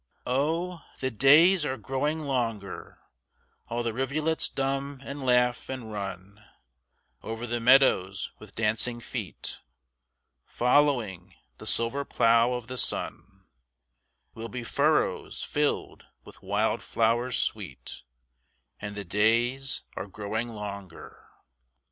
Oh, the days are growing longer, All the rivulets dumb will laugh, and run Over the meadows with dancing feet; Following the silvery plough of the sun, Will be furrows filled with wild flowers sweet: And the days are growing longer.